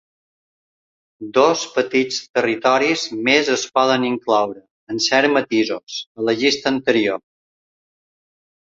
Dos petits territoris més es poden incloure, amb certs matisos, a la llista anterior.